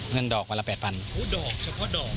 เงินดอกวันละ๘๐๐๐บาทโอ้โฮดอกเฉพาะดอก